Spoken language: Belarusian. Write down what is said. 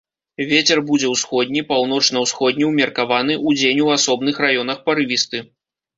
Вецер будзе ўсходні, паўночна-ўсходні ўмеркаваны, удзень у асобных раёнах парывісты.